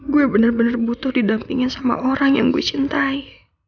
gue benar benar butuh didampingin sama orang yang gue cintai